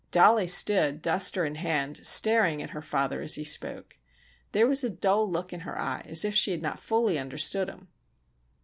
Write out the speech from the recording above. Dollie stood, duster in hand, staring at her father as he spoke. There was a dull look in her eye, as if she had not fully understood him.